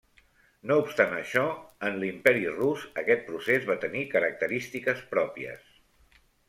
No obstant això, en l'Imperi Rus aquest procés va tenir característiques pròpies.